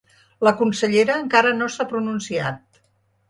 La consellera encara no s’ha pronunciat.